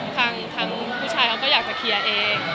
ทางผู้ชายเขาก็อยากจะเคลียร์เอง